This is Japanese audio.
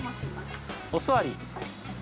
お座り。